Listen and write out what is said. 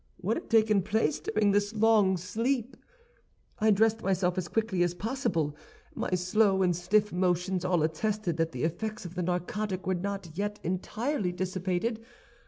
What had taken place during this long sleep? "I dressed myself as quickly as possible; my slow and stiff motions all attested that the effects of the narcotic were not yet entirely dissipated.